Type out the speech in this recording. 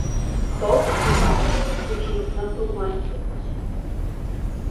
Both songs became number one hits.